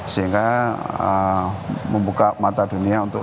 sehingga membuka mata dunia untuk